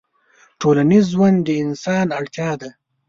ټولنيز ژوند د انسان اړتيا ده